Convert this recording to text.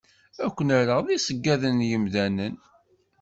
Ad ken-rreɣ d iṣeggaden n yemdanen.